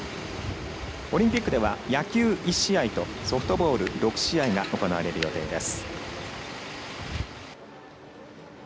オリンピックでは野球１試合とソフトボール６試合が行われる予定です。